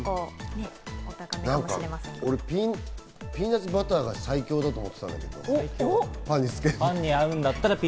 俺、ピーナツバターが最強だと思ってたんだけど、パンにつけるの。